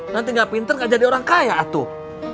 nanti gak pinter nggak jadi orang kaya atuh